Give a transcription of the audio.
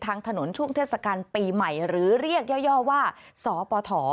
ทางถนนช่วงเทศกาลปีใหม่หรือเรียกย่อว่าสปฐ